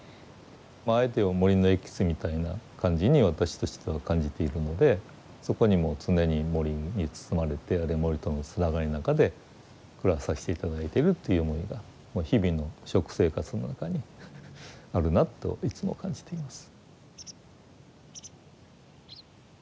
あえて言えば森のエキスみたいな感じに私としては感じているのでそこにもう常に森に包まれてあるいは森とのつながりの中で暮らさせて頂いているっていう思いがもう日々の食生活の中にあるなといつも感じています。